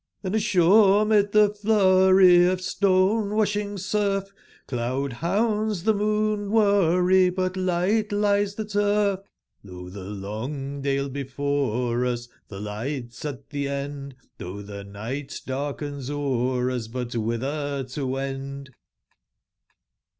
TTben aebore mid tbe flurry of stone/wasbing surf I Cloud/bounds tbe moon worry, but ligbt lies tbe turf; Lo tbe long dale before ust tbe ligbts at tbe end, XTbougb tbe nigbt darkens o'er us, bid wbitber to wend.